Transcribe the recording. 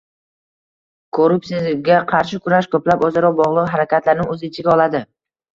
Korruptsiyaga qarshi kurash ko'plab o'zaro bog'liq harakatlarni o'z ichiga oladi